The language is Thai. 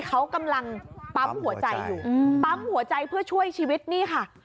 เขากำลังปั๊มหัวใจเพื่อช่วยชีวิตนี่ค่ะ